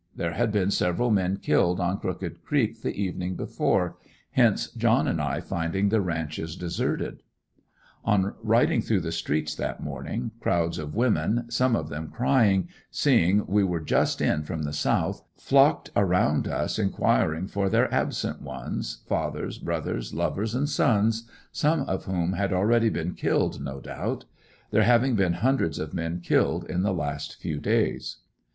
There had been several men killed on Crooked Creek the evening before hence John and I finding the ranches deserted. On riding through the streets that morning, crowds of women, some of them crying, seeing we were just in from the South, flocked around us inquiring for their absent ones, fathers, brothers, lovers and sons, some of whom had already been killed, no doubt; there having been hundreds of men killed in the past few days.